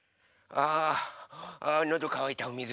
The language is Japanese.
あのどかわいたおみず